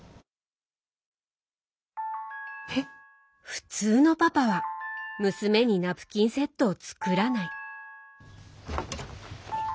普通のパパは娘にナプキンセットを作らない。